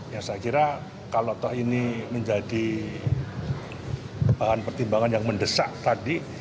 ya saya kira kalau toh ini menjadi bahan pertimbangan yang mendesak tadi